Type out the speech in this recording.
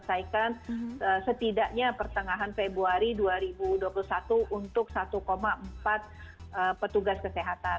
kita harapkan bisa segera kita selesaikan setidaknya pertengahan februari dua ribu dua puluh satu untuk satu empat petugas kesehatan